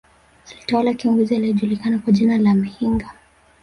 Alitawala kiongozi aliyejulikana kwa jina la Mehinga